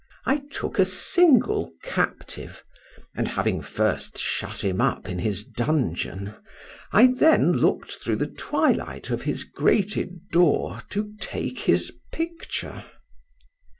— —I took a single captive, and having first shut him up in his dungeon, I then look'd through the twilight of his grated door to take his picture.